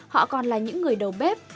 họ còn là những người đầu bếp